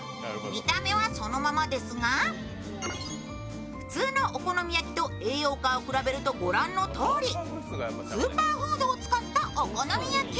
見た目はそのままですが、普通のお好み焼きと栄養価を比べると御覧のとおりスーパーフードを使ったお好み焼き。